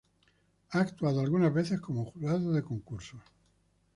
Ha actuado algunas veces como jurado de concursos.